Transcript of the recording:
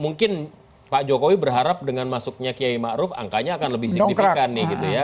mungkin pak jokowi berharap dengan masuknya kiai ⁇ maruf ⁇ angkanya akan lebih signifikan nih gitu ya